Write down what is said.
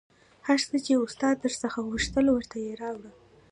هر څه چې استاد در څخه غوښتل ورته یې راوړه